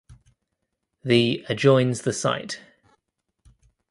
The adjoins the site.